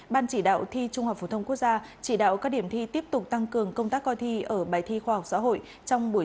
ban chỉ đạo thi trung học phổ thông quốc gia chỉ đạo các điểm thi tiếp tục tăng cường công tác coi thi ở bài thi khoa học xã hội trong buổi